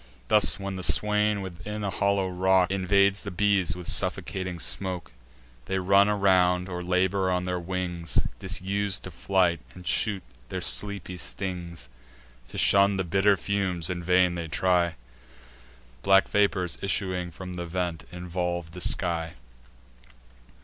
Thus, when the swain, within a hollow rock, Invades the bees with suffocating smoke, They run around, or labour on their wings, Disus'd to flight, and shoot their sleepy stings; To shun the bitter fumes in vain they try; Black vapours, issuing from the vent, involve the sky.